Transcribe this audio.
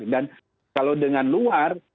dan kalau dengan luar